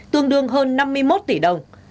tương đương hơn năm mươi một tỷ đồng